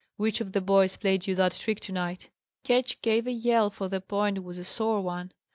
Which of the boys played you that trick to night?" Ketch gave a yell, for the point was a sore one.